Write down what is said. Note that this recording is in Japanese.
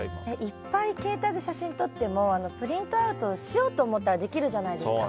いっぱい携帯で写真を撮ってもプリントアウトしようと思ってもできるじゃないですか。